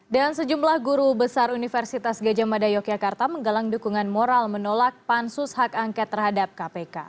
dan sejumlah guru besar universitas gajah mada yogyakarta menggalang dukungan moral menolak pansus hak angket terhadap kpk